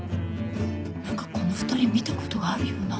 何かこの２人見たことがあるような。